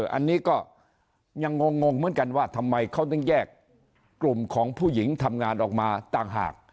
อันนี้ก็ยังงงเหมือนกันว่าทำไมเขาถึงแยกกลุ่มของผู้หญิงทำงานออกมาต่างหาก